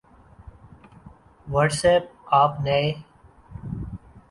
what's app آپ نئے